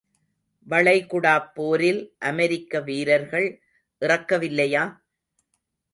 வளைகுடாப் போரில் அமெரிக்க வீரர்கள் இறக்க வில்லையா?